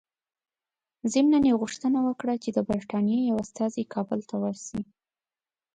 ضمناً یې غوښتنه وکړه چې د برټانیې یو استازی کابل ته ورسي.